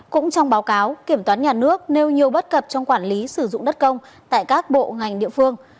cũng trong báo cáo kiểm toán nhà nước nêu nhiều bất cập trong quản lý sử dụng đất công tại các bộ ngành địa phương